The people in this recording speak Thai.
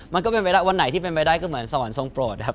มันก็เป็นไปได้วันไหนที่เป็นไปได้ก็เหมือนสวรรค์ทรงโปรดนะครับ